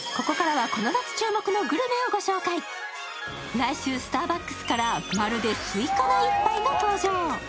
来週、スターバックスから、まるでスイカのな１杯が登場。